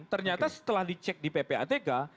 ternyata setelah dicek di ppatk